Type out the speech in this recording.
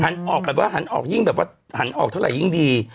ออกแบบว่าหันออกยิ่งแบบว่าหันออกเท่าไหรยิ่งดี